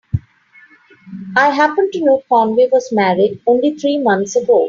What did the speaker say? I happen to know Conway was married only three months ago.